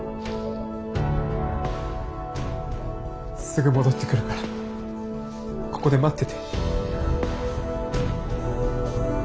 すぐ戻ってくるからここで待ってて。